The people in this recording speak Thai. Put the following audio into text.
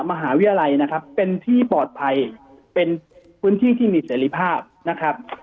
มหาวิทยาลัยนะครับเป็นที่ปลอดภัยเป็นพื้นที่ที่มีเสรีภาพนะครับ